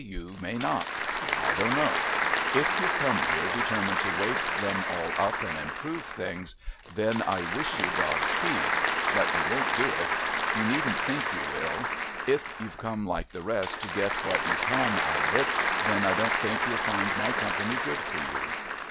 You may not. I don't know. If you've come here determined to wake them all up and improve things, then I wish you God speed. But you won't do it. You needn't think you will. If you've come like the rest to get what you can out of it, then I don't think you'll find my company good for you."